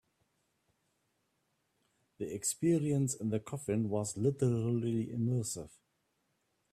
The experience in the coffin was literally immersive.